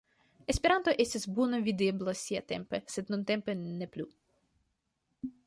Esperanto estis bone videbla siatempe, sed nuntempe ne plu.